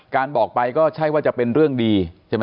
การบอกไปก็ใช่ว่าจะเป็นเรื่องดี